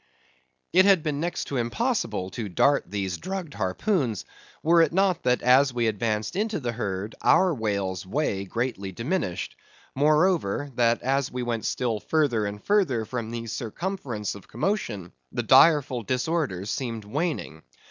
It had been next to impossible to dart these drugged harpoons, were it not that as we advanced into the herd, our whale's way greatly diminished; moreover, that as we went still further and further from the circumference of commotion, the direful disorders seemed waning.